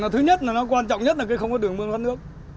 thứ nhất là nó quan trọng nhất là không có đường mưa nước